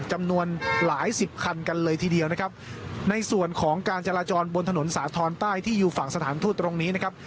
จำนวนหลายสิบคันกันเลยทีเดียวนะครับในส่วนของการจราจรบนถนนสาธรณ์ใต้ที่อยู่ฝั่งสถานทูตตรงนี้นะครับ